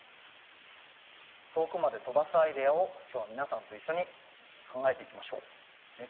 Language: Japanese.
遠くまで飛ばすアイデアを今日は皆さんと一緒に考えていきましょう。